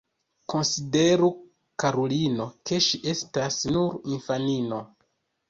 Konsideru, karulino, ke ŝi estas nur infanino.